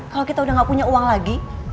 kalau kita udah gak punya uang lagi